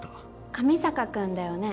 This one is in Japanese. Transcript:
上坂君だよね？